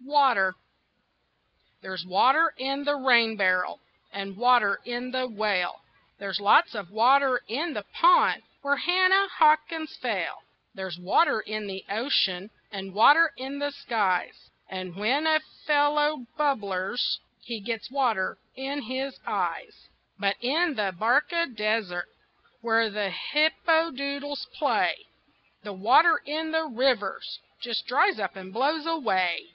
WATER There's water in the rain barrel, And water in the well, There's lots of water in the pond Where Hannah Hawkins fell. There's water in the ocean, And water in the skies, And when a fellow blubbers He gets water in his eyes. But in the Barca desert Where the hippodoodles play, The water in the rivers Just dries up and blows away.